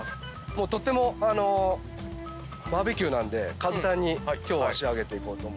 とってもあのバーベキューなんで簡単に今日は仕上げていこうと思います。